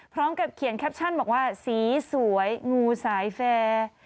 พร้อมกับเขียนแคปชั่นบอกว่าสีสวยงูสายแฟร์